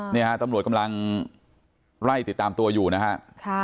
เนี่ยฮะตำรวจกำลังไล่ติดตามตัวอยู่นะฮะ